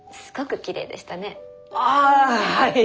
ああはい！